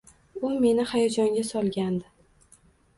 U meni hayajonga solgandi.